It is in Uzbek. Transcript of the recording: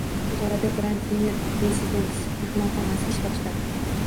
Buxoroda “Grand Yemir Residence” mehmonxonasi ish boshladi